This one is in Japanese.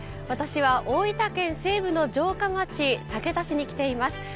私は大分県西部の城下町竹田市に来ています。